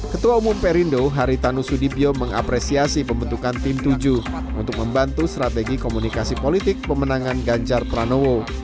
ketua umum perindo haritanu sudibyo mengapresiasi pembentukan tim tujuh untuk membantu strategi komunikasi politik pemenangan ganjar pranowo